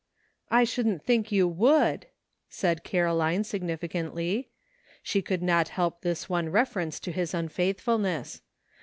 " I shouldn't think you would," said Caroline significantly. She could not help this one refer ence to his unfaithfulness.